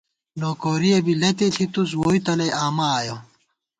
نوکورِیَہ بی لتے ݪِتُوس ، ووئی تَلئ آمہ آیَہ